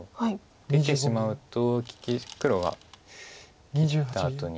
出てしまうと黒は切ったあとに。